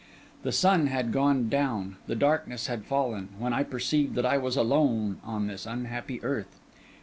The sun had gone down, the darkness had fallen, when I perceived that I was alone on this unhappy earth.